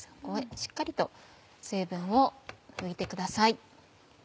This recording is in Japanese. しっかりと水分を拭いてください。